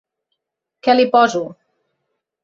Què li poso?